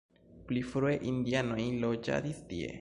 Pli frue indianoj loĝadis tie.